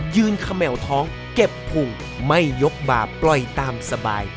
๔ยืนเขมลท้องเก็บผุงไม่ยกบ่าปล่อยตามสบาย